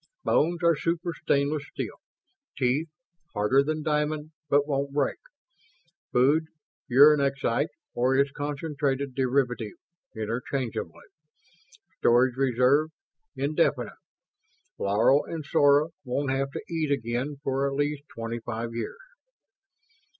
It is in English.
Bones are super stainless steel. Teeth, harder than diamond, but won't break. Food, uranexite or its concentrated derivative, interchangeably. Storage reserve, indefinite. Laro and Sora won't have to eat again for at least twenty five years...."